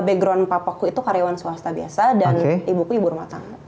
background papaku itu karyawan swasta biasa dan ibuku ibu rumah tangga